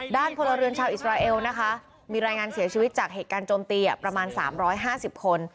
พลเรือนชาวอิสราเอลนะคะมีรายงานเสียชีวิตจากเหตุการณ์โจมตีประมาณ๓๕๐คน